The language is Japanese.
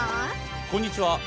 こんにちは。